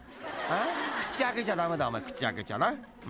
［口開けちゃ駄目だお前口開けちゃな。